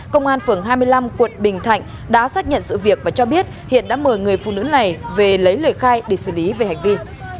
công an phường hai mươi năm quận bình thạnh đã xác nhận sự việc và cho biết hiện đã mời người phụ nữ này về lấy lời khai để xử lý về hành vi